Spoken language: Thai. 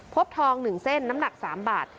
ทอง๑เส้นน้ำหนัก๓บาท